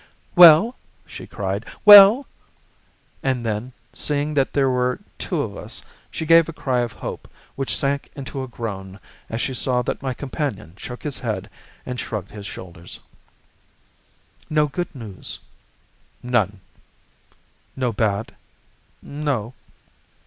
"Well?" she cried, "well?" And then, seeing that there were two of us, she gave a cry of hope which sank into a groan as she saw that my companion shook his head and shrugged his shoulders. "No good news?" "None." "No bad?" "No."